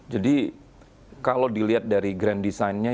jadi kalau dilihat dari grand design nya